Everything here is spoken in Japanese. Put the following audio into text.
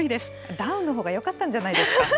ダウンのほうがよかったんじゃないですか？